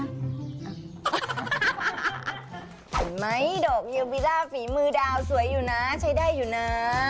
เห็นไหมดอกเยลบิล่าฝีมือดาวสวยอยู่นะใช้ได้อยู่นะ